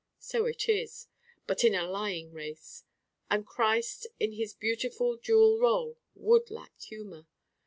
So it is: but in a lying race. And Christ in his beautiful dual rôle would lack humor.